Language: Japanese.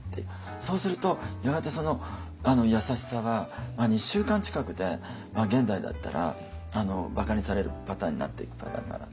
そうするとやがてその優しさは２週間近くで現代だったらばかにされるパターンになっていくパターンだなと。